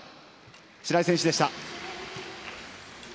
白井選手でした。